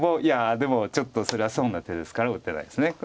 いやでもちょっとそれは損な手ですから打てないです。